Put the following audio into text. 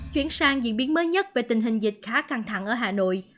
chuyển sang diễn biến mới nhất về tình hình dịch khá căng thẳng ở hà nội